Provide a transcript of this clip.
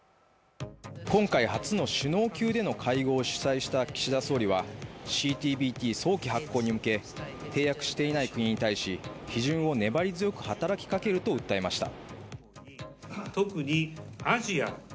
今回初の首脳級での会合を主催した岸田総理はＣＴＢＴ早期発効に向け、締約していない国に対して批准を粘り強く働きかけると訴えました。